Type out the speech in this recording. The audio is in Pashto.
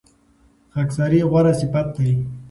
خاکساري غوره صفت دی.